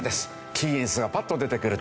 キーエンスがパッと出てくるとこ。